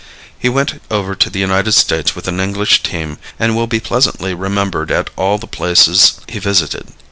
He went over to the United States with an English team and will be pleasantly remembered at all the places he visited.